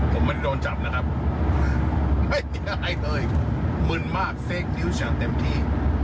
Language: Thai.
ผมไม่ได้โดนจับนะครับไม่ได้เฮ้ยมึนมากเต็มที่